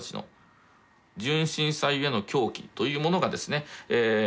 「純真さゆえの狂気」というものがですね